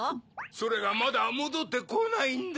それがまだもどってこないんだ。